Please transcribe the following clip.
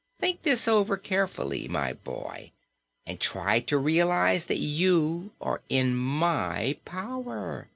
Think this over carefully, my boy, and try to realize that you are in my power.